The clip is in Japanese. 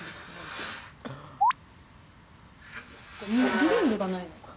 リビングがないのかな？